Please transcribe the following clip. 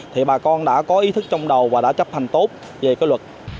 thì bà con đã có ý thức trong đầu và đã chấp hành tốt về cái luật